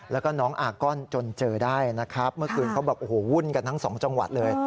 แล้วก็น้องอาก้อนจนเจอได้นะครับเมื่อคืนเขาบอกโอ้โหวุ่นกันทั้งสองจังหวัดเลย